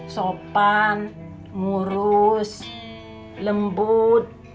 sopan murus lembut